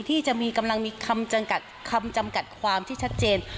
ที่จะมีกำลังมีคำจำกัดคำจำกัดความที่ชัดเจน